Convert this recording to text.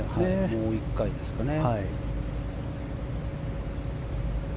もう１回ですかね。